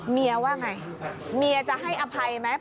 เมียว่าไงเมียจะให้อภัยไหม